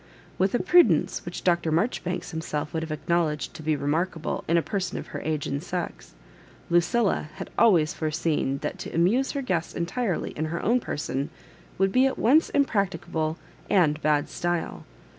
With a prudence which Dr. Mar joribanks himself would have acknowledged to be remarkable " in a person of her age and sex," Lucilla had already foreseen that to amuse her guests entirely in her own person, would be at once impracticable and " bad style."